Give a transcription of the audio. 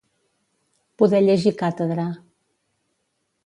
Poder llegir càtedra.